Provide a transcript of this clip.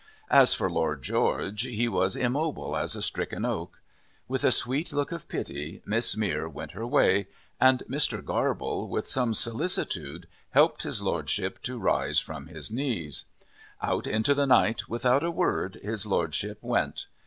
As for Lord George, he was immobile as a stricken oak. With a sweet look of pity, Miss Mere went her way, and Mr. Garble, with some solicitude, helped his Lordship to rise from his knees. Out into the night, without a word, his Lordship went.